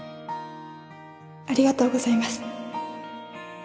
ありがとうございます